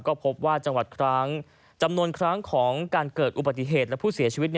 ก็พบว่าจังหวัดครั้งจำนวนครั้งของการเกิดอุบัติเหตุและผู้เสียชีวิต